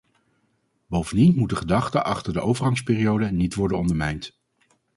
Bovendien moet de gedachte achter de overgangsperiode niet worden ondermijnd.